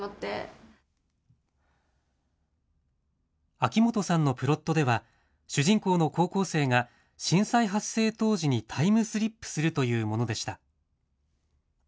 秋本さんのプロットでは主人公の高校生が震災発生当時にタイムスリップするというものでした。